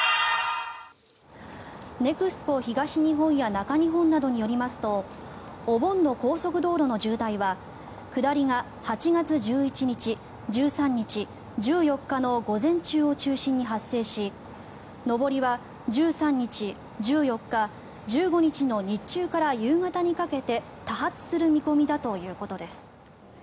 ネクスコ東日本や中日本などによりますとお盆の高速道路の渋滞は下りが８月１１日、１３日、１４日の午前中を中心に発生し上りは１３日、１４日、１５日の日中から夕方にかけて多発する見込みだということです。